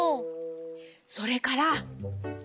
それから。